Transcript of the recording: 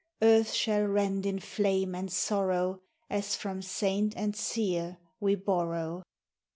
Earth shall end in flame and sorrow, As from Saint and Seer we borrow.